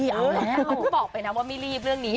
เอ้ยเอาแล้วเขาบอกไปนะว่าไม่รีบเรื่องนี้